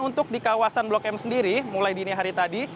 untuk di kawasan blok m sendiri mulai dini hari tadi